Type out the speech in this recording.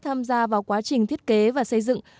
tham gia vào quá trình thiết kế và xây dựng